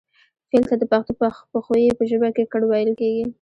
فعل ته د پښتو پښويې په ژبه کې کړ ويل کيږي